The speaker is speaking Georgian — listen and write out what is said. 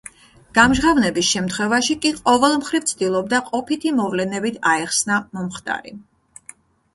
გამჟღავნების შემთხვევაში კი ყოველმხრივ ცდილობდა ყოფითი მოვლენებით აეხსნა მომხდარი.